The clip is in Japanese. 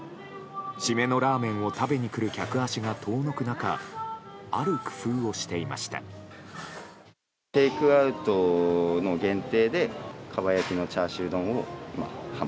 締めのラーメンを食べにくる客足が遠のく中ある工夫をしていました。